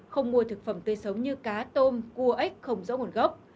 không mua thực phẩm tươi sống như cá tôm cua ếch không rõ nguồn gốc